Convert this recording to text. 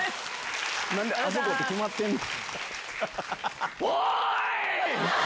何であそこって決まってんの？